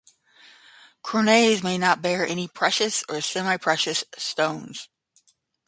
Coronets may not bear any precious or semi-precious stones.